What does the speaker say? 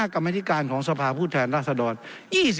๓๕กรรมธิการของสภาผู้แทนรัฐธรรม